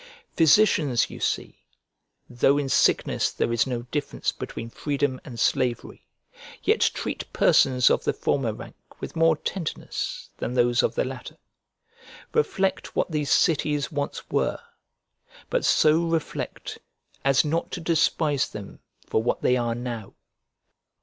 Physicians, you see, though in sickness there is no difference between freedom and slavery, yet treat persons of the former rank with more tenderness than those of the latter. Reflect what these cities once were; but so reflect as not to despise them for what they are now.